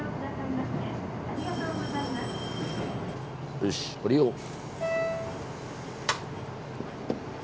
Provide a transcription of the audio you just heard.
よし降りよう。